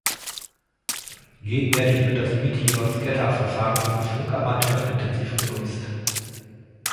Gegenwärtig wird das Meteorscatter-Verfahren von Funkamateuren intensiv genutzt.